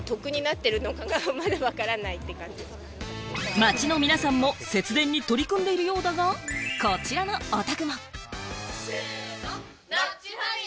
街の皆さんも節電に取り組んでいるようだが、こちらのお宅も。